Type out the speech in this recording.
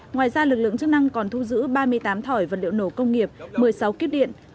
ngoài ra lực lượng chức năng còn thu giữ ba mươi tám thỏi vật liệu nổ công nghiệp một mươi sáu kíp điện